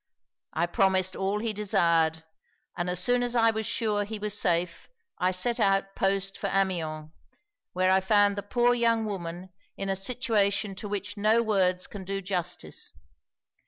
I promised all he desired; and as soon as I was sure he was safe, I set out post for Amiens, where I found the poor young woman in a situation to which no words can do justice.